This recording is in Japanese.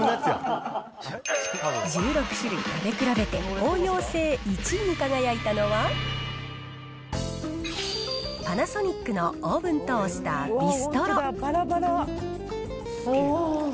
１６種類食べ比べて応用性１位に輝いたのは、パナソニックのオーブントースタービストロ。